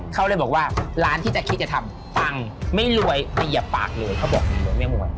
เขาเลยบอกว่าร้านที่จะคิดจะทำตังค์ไม่รวยมีหยับปากเลยเขาบอกอยู่แล้วไม่มวล